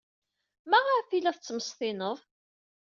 Maɣef ay la tt-tettmestined?